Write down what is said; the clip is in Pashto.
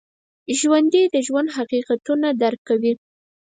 ژوندي د ژوند حقیقتونه درک کوي